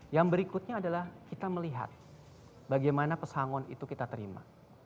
yang berikutnya adalah kita melihat bagaimana pesangon itu kita terima